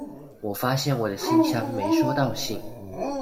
我發現我的信箱沒收到信